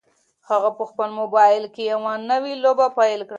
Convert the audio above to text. هغه په خپل موبایل کې یوه نوې لوبه پیل کړه.